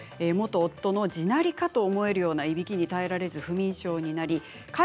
元夫の地鳴りかと思えるようないびきに耐えられず不眠症になります。